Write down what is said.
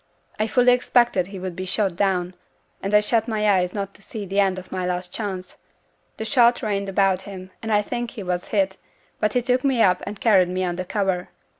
I fully expected he would be shot down; and I shut my eyes not to see the end of my last chance. The shot rained about him, and I think he was hit; but he took me up and carried me under cover."